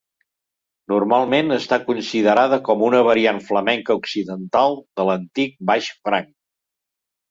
Normalment està considerada com una variant flamenca occidental de l'antic baix franc.